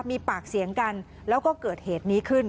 มีปากเสียงกันแล้วก็เกิดเหตุนี้ขึ้น